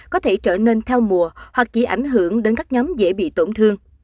có thể trở nên theo mùa hoặc chỉ ảnh hưởng đến các nhóm dễ bị tổn thương